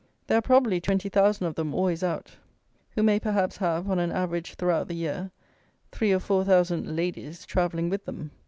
There are, probably, twenty thousand of them always out, who may perhaps have, on an average throughout the year, three or four thousand "ladies" travelling with them.